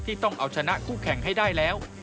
ต้องเอาชนะคู่แข่งให้ได้แล้ว